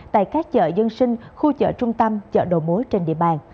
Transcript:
tại các chợ dân sinh khu chợ trung tâm chợ đồ mối trên địa bàn